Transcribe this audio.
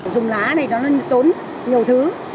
dùng lá này nó tốn nhiều thứ